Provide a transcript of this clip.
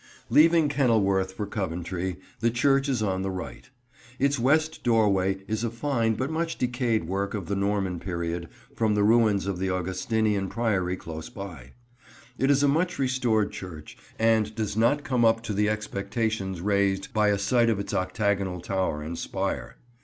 Leaving Kenilworth for Coventry, the church is on the right. Its west doorway is a fine but much decayed work of the Norman period, from the ruins of the Augustinian Priory close by. It is a much restored church, and does not come up to the expectations raised by a sight of its octagonal tower and spire.